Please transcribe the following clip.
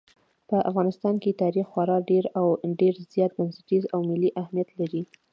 په افغانستان کې تاریخ خورا ډېر او ډېر زیات بنسټیز او ملي اهمیت لري.